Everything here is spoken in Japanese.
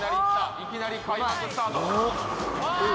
いきなり開幕スタート。